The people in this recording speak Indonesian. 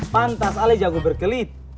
pantas ali jago berkelit